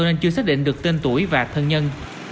nên chưa xác định được tên tuổi và thân nhân